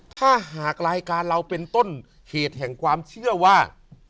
ถ้าหากรายการเราเป็นต้นเหตุแห่งความเชื่อว่า